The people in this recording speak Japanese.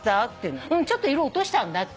うんちょっと色落としたんだ。